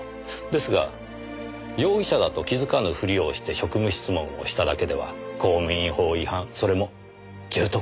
ですが容疑者だと気づかぬ振りをして職務質問をしただけでは公務員法違反それも重篤とは言えません。